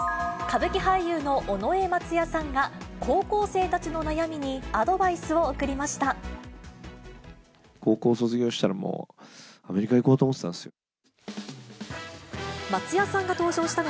歌舞伎俳優の尾上松也さんが、高校生たちの悩みにアドバイスを送りました。